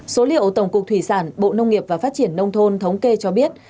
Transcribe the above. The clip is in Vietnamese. số liệu tổng cục thủy sản bộ nông nghiệp và phát triển nông thôn thống kê cho biết